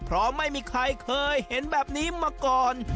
เพราะไม่มีใครเคยเห็นแบบนี้มาก่อน